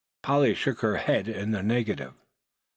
Polly shook her head in the negative.